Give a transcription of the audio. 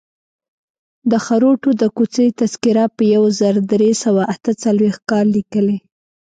د خروټو د کوڅې تذکره په یو زر درې سوه اته څلویښت کال لیکلې.